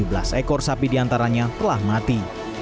tujuh belas ekor sapi di antaranya telah mati